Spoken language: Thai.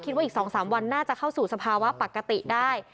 ว่าอีก๒๓วันน่าจะเข้าสู่สภาวะปกติได้